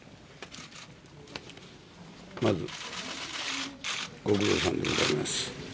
まず、ご苦労さまでございます。